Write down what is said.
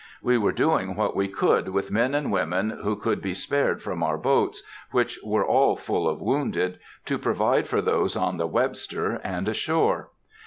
We were doing what we could with men and women who could be spared from our boats, which were all full of wounded, to provide for those on the Webster and ashore.